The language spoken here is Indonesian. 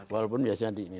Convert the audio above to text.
walaupun biasanya di nenang